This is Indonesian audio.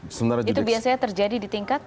itu biasanya terjadi di tingkat